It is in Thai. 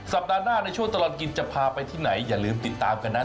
หน้าในช่วงตลอดกินจะพาไปที่ไหนอย่าลืมติดตามกันนะ